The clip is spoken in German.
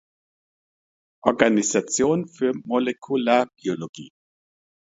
Organisation für Molekularbiologie.